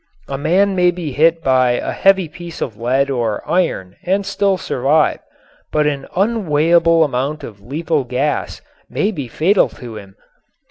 A man may be hit by a heavy piece of lead or iron and still survive, but an unweighable amount of lethal gas may be fatal to him.